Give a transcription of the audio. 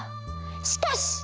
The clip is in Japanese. しかし！